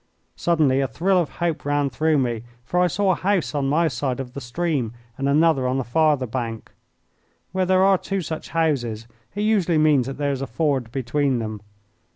Suddenly a thrill of hope ran through me, for I saw a house on my side of the stream and another on the farther bank. Where there are two such houses it usually means that there is a ford between them.